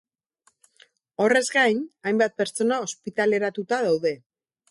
Horrez gain, hainbat pertsona ospitaleratuta daude.